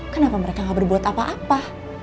kenapa mereka gak berbuat apa apa